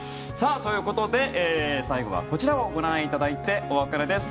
ということで最後はこちらをご覧いただいてお別れです。